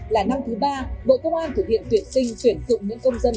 là năm thứ ba bộ công an thực hiện tuyển sinh tuyển dụng những công dân